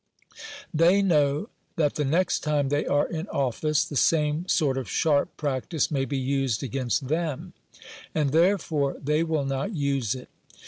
They know that the next time they are in office the same sort of sharp practice may be used against them, and therefore they will not use it.